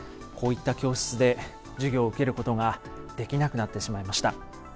こういった教室で授業を受けることができなくなってしまいました。